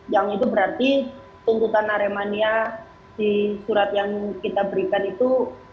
yang itu berarti tuntutan aremania di surat yang kita berikan itu